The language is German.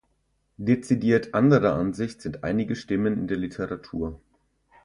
Dezidiert anderer Ansicht sind einige Stimmen in der Literatur.